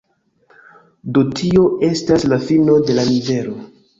Do tio estas la fino de la nivelo.